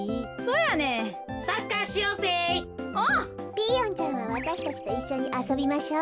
ピーヨンちゃんはわたしたちといっしょにあそびましょう。